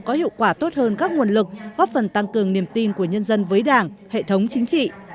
có hiệu quả tốt hơn các nguồn lực góp phần tăng cường niềm tin của nhân dân với đảng hệ thống chính trị